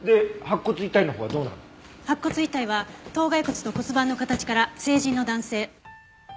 白骨遺体は頭蓋骨と骨盤の形から成人の男性。